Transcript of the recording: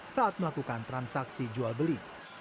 saat melakukan transaksi jual beli